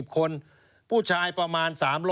๗๐คนผู้ชายประมาณ